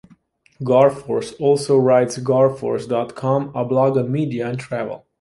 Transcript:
Garfors also writes garfors dot com, a blog on media and travel.